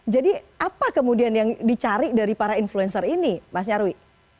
jadi apa kemudian yang dicari dari para influencer ini mas nyarwi